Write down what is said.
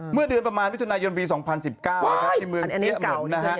เมื่อเดือนประมาณวิทยุนายนปี๒๐๑๙ที่เมืองเสี้ยหมด